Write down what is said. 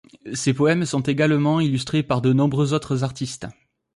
Ses poèmes sont également illustrés par de nombreux autres artistes.